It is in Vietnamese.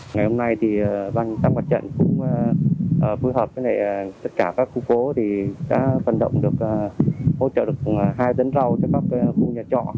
ngày hôm nay thì bang tâm quách trận cũng phù hợp với tất cả các khu phố thì đã phân động được hỗ trợ được hai tấn rau cho các khu nhà trọ